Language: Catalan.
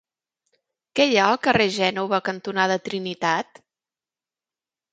Què hi ha al carrer Gènova cantonada Trinitat?